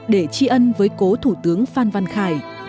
để tri ân với cố thủ tướng phan văn khải